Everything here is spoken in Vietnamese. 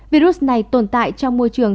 virus này tồn tại trong môi trường